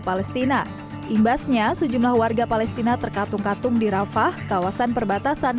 palestina imbasnya sejumlah warga palestina terkatung katung di rafah kawasan perbatasan